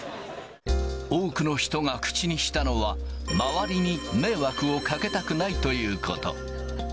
多くの人が口にしたのは、周りに迷惑をかけたくないということ。